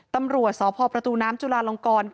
ตำรวจสพประตูน้ำจุลาลงกร